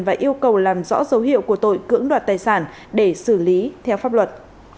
và yêu cầu làm rõ dấu hiệu của tội cưỡng đoạt tài sản để xử lý theo pháp luật